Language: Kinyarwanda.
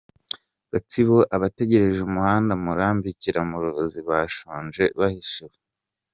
Gatsibo Abategereje umuhanda Murambi, Kiramuruzi bashonje bahishiwe